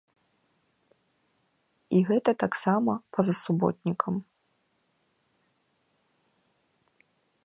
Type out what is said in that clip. І гэта таксама па-за суботнікам.